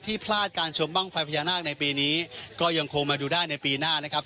พลาดการชมบ้างไฟพญานาคในปีนี้ก็ยังคงมาดูได้ในปีหน้านะครับ